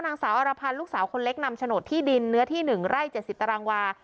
นางสาวอรภัณฑ์ลูกสาวคนเล็กนำโฉนดที่ดินเนื้อที่หนึ่งไร่เจ็ดสิบตรังวา